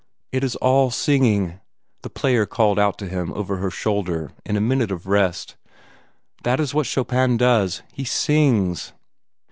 "It is all singing!" the player called out to him over her shoulder, in a minute of rest. "That is what Chopin does he sings!"